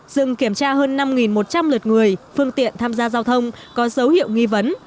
dừng kiểm tra hơn năm một trăm linh lượt người phương tiện tham gia giao thông có dấu hiệu nghi vấn